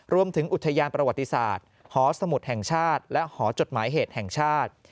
รวมถึงอุทยานประวัติศาสตร์หอสมุทรแห่งชาติและหอจดหมายเหตุแห่งชาติ